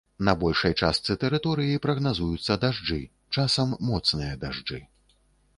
На большай частцы тэрыторыі прагназуюцца дажджы, часам моцныя дажджы.